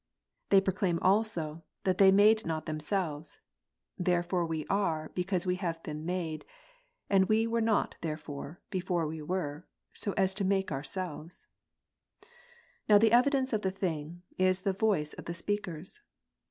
They proclaim also, that they made not themselves ;" therefore we are, because we have been made ; we were not therefore, before we were, so as to make our selves." Now the evidence of the thing, is the voice of the speakers.